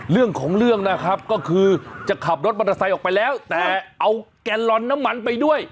เรื่องของเรื่องนะครับก็คือจะขับรถมอเตอร์ไซค์ออกไปแล้วแต่เอาแกนลอนน้ำมันไปด้วย